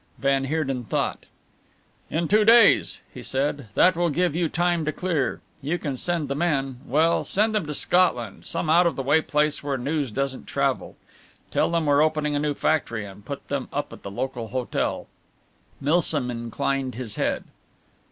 Van Heerden thought. "In two days," he said, "that will give you time to clear. You can send the men well, send them to Scotland, some out of the way place where news doesn't travel. Tell them we're opening a new factory, and put them up at the local hotel." Milsom inclined his head.